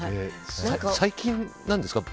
最近なんですか？